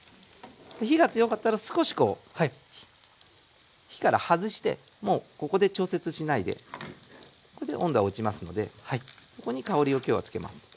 火が強かったら少しこう火から外してもうここで調節しないでこれで温度は落ちますのでそこに香りを今日はつけます。